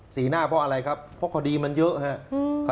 สีหน้าเพราะอะไรครับเพราะคดีมันเยอะครับ